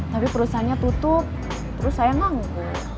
tapi perusahaannya tutup terus saya mau